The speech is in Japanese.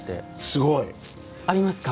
すごい。ありますか？